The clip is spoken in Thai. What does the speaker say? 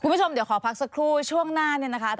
คุณผู้ชมเดี๋ยวขอพักสักครู่ช่วงหน้า